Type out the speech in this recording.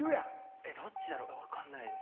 えっどっちだろう分かんないです。